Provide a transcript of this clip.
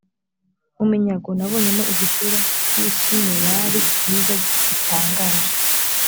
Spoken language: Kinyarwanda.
mu minyago nabonyemo igishura cy’i shineyari cyiza bitangaje.